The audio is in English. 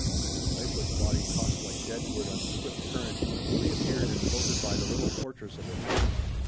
His lifeless body tossed like dead wood on the swift current, reappeared and floated by the little fortress of the three.